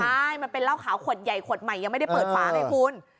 ใช่มันเป็นเหล้าขาวขวดใหญ่ขวดใหม่ยังไม่ได้เปิดฝาไงคุณ